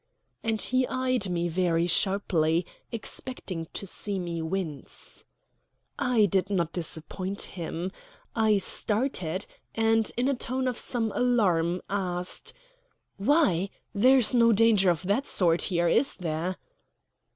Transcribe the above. And he eyed me very sharply, expecting to see me wince. I did not disappoint him. I started and, in a tone of some alarm, asked: "Why? There is no danger of that sort here, is there?"